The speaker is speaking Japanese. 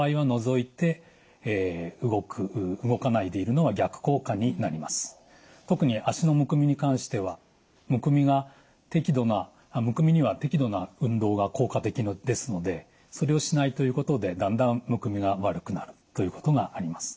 これはですね特に脚のむくみに関してはむくみには適度な運動が効果的ですのでそれをしないということでだんだんむくみが悪くなるということがあります。